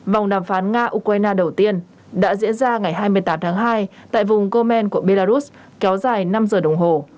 vòng đàm phán nga ukraine đầu tiên đã diễn ra ngày hai mươi tám tháng hai tại vùng comen của belarus kéo dài năm giờ đồng hồ